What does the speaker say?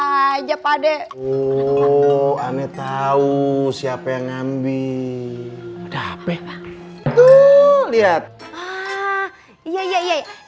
aja pade uangnya tahu siapa yang ngambil dapet tuh lihat iya iya iya